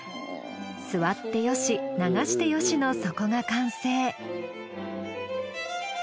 座ってよし流してよしの底が完成。